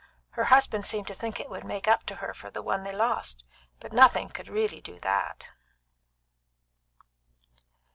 Her husband seemed to think it would make up to her for the one they lost, but nothing could really do that.